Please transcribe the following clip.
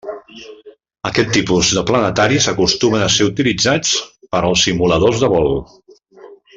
Aquest tipus de planetaris acostumen a ser utilitzats per als simuladors de vol.